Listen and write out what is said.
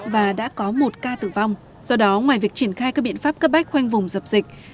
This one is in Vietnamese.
và đã có một ca tử vong do đó ngoài việc triển khai các biện pháp cấp bách khoanh vùng dập dịch